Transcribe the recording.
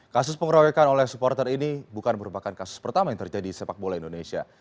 kasus pengeroyokan oleh supporter ini bukan merupakan kasus pertama yang terjadi di sepak bola indonesia